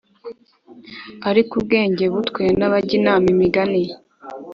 Ariko ubwenge bu twe n abajya inama imigani